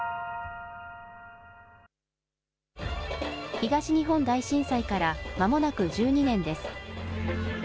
東日本大震災からまもなく１２年です。